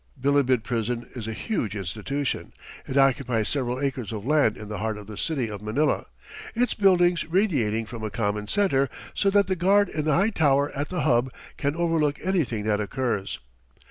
Bilibid prison is a huge institution. It occupies several acres of land in the heart of the city of Manila, its buildings radiating from a common center, so that the guard in the high tower at the hub can overlook anything that occurs.